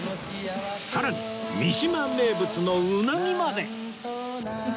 さらに三島名物のうなぎまで